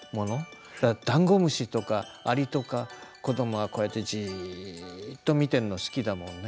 ダンゴムシとかアリとか子どもはこうやってじっと見てるの好きだもんね。